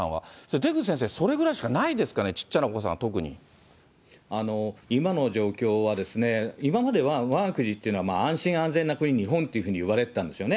出口先生、それぐらいしかないですかね、今の状況は、今までは、わが国っていうのは、安心安全な国、日本っていうふうにいわれてたんですよね。